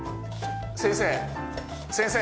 先生先生！